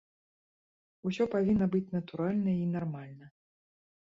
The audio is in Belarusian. Усё павінна быць натуральна і нармальна.